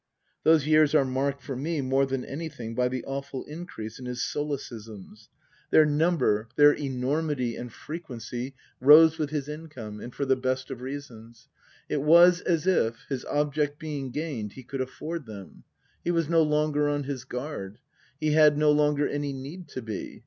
Those years are marked for me more than anything by the awful increase in his solecisms. Their number, their Book II : Her Book 201 enormity and frequency rose with his income, and for the best of reasons. It was as if, his object being gained, he could afford them. He was no longer on his guard. He had no longer any need to be.